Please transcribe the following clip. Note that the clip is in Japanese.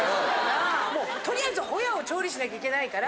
とりあえずホヤを調理しないきゃいけないから。